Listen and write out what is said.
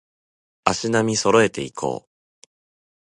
足並み揃えていこう